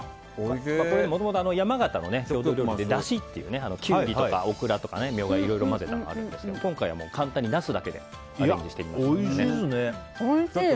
もともと山形の郷土料理でだしっていうキュウリとかオクラとかミョウガをいろいろ混ぜたものがあるんですけど今回は簡単にナスだけでおいしいですね。